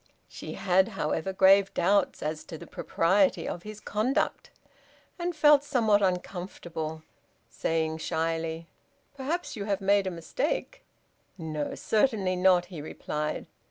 She had, however, grave doubts as to the propriety of his conduct, and felt somewhat uncomfortable, saying shyly, "Perhaps you have made a mistake!" "No, certainly not," he replied.